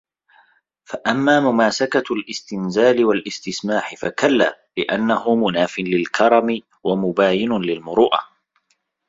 فَأَمَّا مُمَاكَسَةُ الِاسْتِنْزَالِ وَالِاسْتِسْمَاحِ فَكَلَّا ؛ لِأَنَّهُ مُنَافٍ لِلْكَرْمِ وَمُبَايِنٌ لِلْمُرُوءَةِ